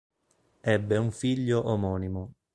Ebbe un figlio omonimo.